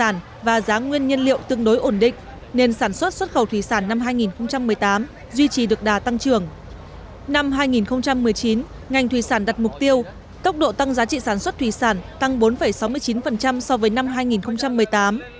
năm hai nghìn một mươi chín ngành thủy sản đặt mục tiêu tốc độ tăng giá trị sản xuất thủy sản tăng bốn sáu mươi chín so với năm hai nghìn một mươi tám